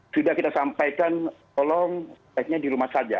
sudah kita sampaikan tolong sebaiknya di rumah saja